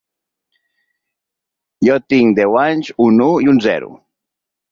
Jo tinc deu anys, un u i un zero.